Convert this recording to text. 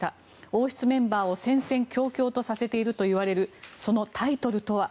王室メンバーを戦々恐々とさせているといわれるそのタイトルとは。